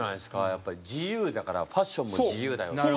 やっぱり自由だからファッションも自由だよって。